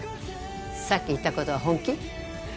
さっき言ったことは本気？